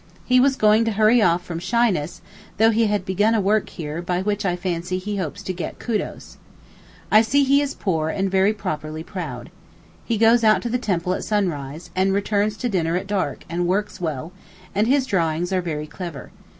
He was going to hurry off from shyness though he had begun a work here by which I fancy he hopes to get Kudos. I see he is poor and very properly proud. He goes out to the temple at sunrise, and returns to dinner at dark, and works well, and his drawings are very clever.